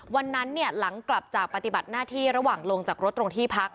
วันนั้นหลังกลับจากปฏิบัติหน้าที่ระหว่างลงจากรถตรงที่พัก